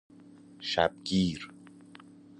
شبگیر